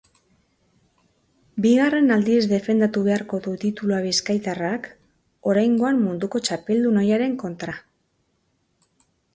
Bigarren aldiz defendatu beharko du titulua bizkaitarrak, oraingoan munduko txapeldun ohiaren kontra.